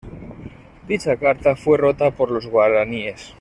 Dicha carta fue rota por los guaraníes.